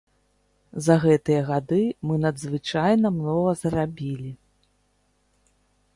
За гэтыя гады мы надзвычайна многа зрабілі.